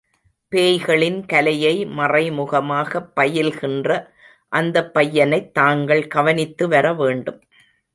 பேய்களின் கலையை மறைமுகமாகப் பயில்கின்ற அந்தப் பையனைத் தாங்கள் கவனித்து வரவேண்டும்.